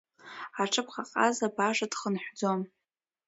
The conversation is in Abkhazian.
Аҽыбӷаҟаза баша дхынҳәӡом!